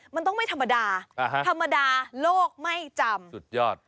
มันต้องไม่ธรรมดาธรรมดาโลกไม่จำสุดยอด